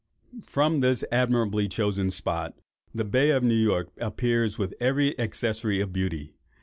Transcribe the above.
From this admirably chosen spot, the Bay of New York appears with every accessory of beauty.